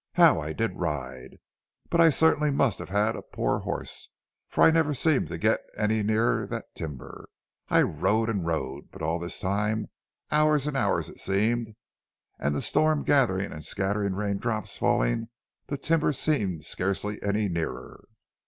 How I did ride! But I certainly must have had a poor horse, for I never seemed to get any nearer that timber. I rode and rode, but all this time, hours and hours it seemed, and the storm gathering and scattering raindrops falling, the timber seemed scarcely any nearer.